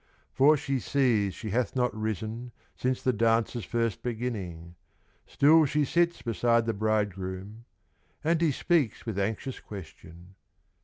For she sees she hath not risen, Since the dance's first beginning. Still she sits beside the bridegroom, And he speaks with anxious question.